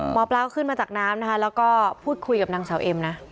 หมอปลาขึ้นมาจากน้ำนะคะแล้วก็พูดคุยกับนางสาวเอ็มนะ